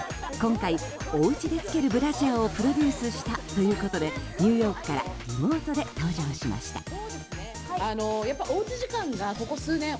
今回、おうちで着けるブラジャーをプロデュースしたということでニューヨークからリモートで登場しました。